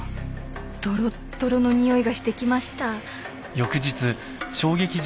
どろっどろのにおいがしてきました。